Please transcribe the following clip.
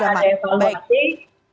ya akan ada yang follow up